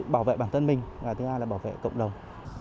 bảo vệ bản thân mình và thứ hai là bảo vệ cộng đồng